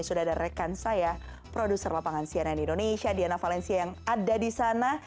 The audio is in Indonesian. sudah ada rekan saya produser lapangan cnn indonesia diana valencia yang ada di sana